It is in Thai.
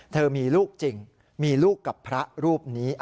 เธอมีลูกจริงมีลูกกับพระรูปนี้